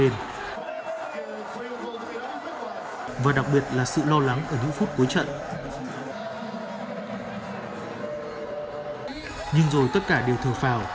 nhưng rồi tất cả đều thừa phào